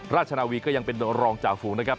นาวีก็ยังเป็นรองจ่าฝูงนะครับ